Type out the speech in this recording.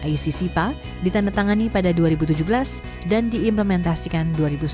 iccpa ditandatangani pada dua ribu tujuh belas dan diimplementasikan dua ribu sembilan belas